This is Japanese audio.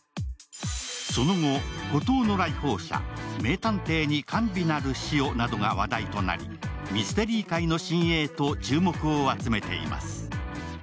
その後、「孤島の来訪者」「名探偵に甘美なる死を」などが話題となりミステリー界の新鋭と注目を集めています。